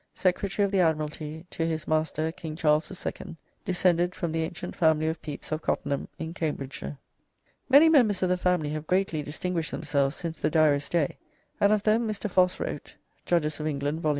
Secretary of the Admiralty to his Matr. King Charles the Second: Descended from ye antient family of Pepys of Cottenham in Cambridgeshire." Many members of the family have greatly distinguished themselves since the Diarist's day, and of them Mr. Foss wrote ("Judges of England," vol.